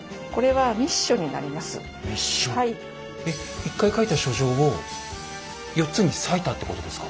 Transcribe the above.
えっ１回書いた書状を４つに裂いたってことですか？